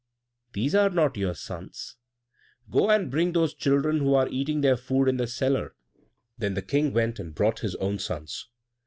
these are not your sons; go and bring those children who are eating their food in the cellar." Then the King went and brought his own sons.